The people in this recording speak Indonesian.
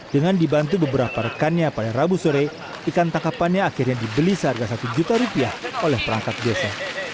dengan dibantu beberapa rekannya pada rabu sore ikan tangkapannya akhirnya dibeli seharga satu juta rupiah oleh perangkat desa